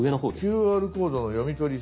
「ＱＲコードの読み取り成功」。